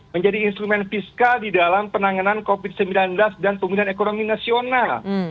menjadi instrumen fiskal di dalam penanganan covid sembilan belas dan pemulihan ekonomi nasional